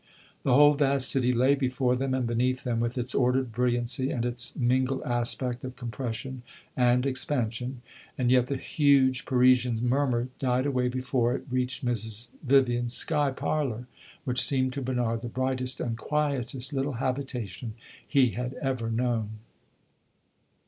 The whole vast city lay before them and beneath them, with its ordered brilliancy and its mingled aspect of compression and expansion; and yet the huge Parisian murmur died away before it reached Mrs. Vivian's sky parlor, which seemed to Bernard the brightest and quietest little habitation he had ever known.